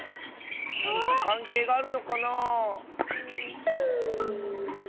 なにかかんけいがあるのかなあ？